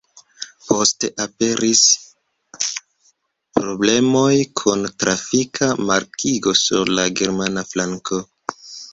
Poste aperis problemoj kun trafika markigo sur la germana flanko.